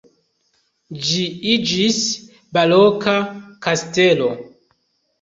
Ĝi iĝis baroka kastelo.